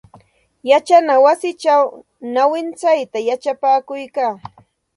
Yachana wasichaw nawintsayta yachapakuykaa.